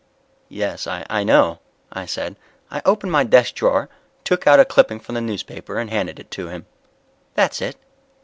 "Yes, I know," I said. I opened my desk drawer, took out a clipping from the newspaper, and handed it to him. "That's it."